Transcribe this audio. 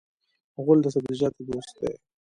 غول د سبزیجاتو دوست دی.